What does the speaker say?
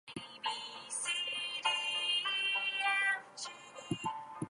Improved technology has also increased the frequency of outpatient surgery procedures.